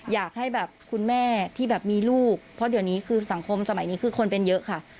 อยากให้แบบคุณแม่ที่แบบมีลูกเพราะเดี๋ยวนี้คือสังคมสมัยนี้คือคนเป็นเยอะค่ะ